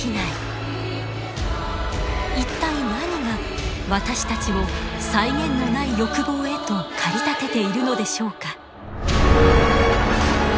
一体何が私たちを際限のない欲望へと駆り立てているのでしょうか？